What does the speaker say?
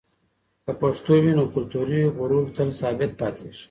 که پښتو وي، نو کلتوري غرور تل ثابت پاتېږي.